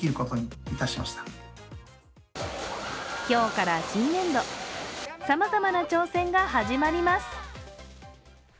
今日から新年度、さまざまな挑戦が始まります。